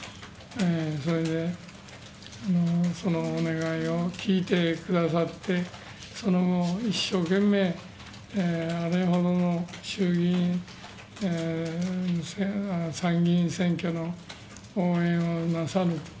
それでそのお願いを聞いてくださって、その後、一生懸命あれほどの衆議院、参議院選挙の応援をなさると。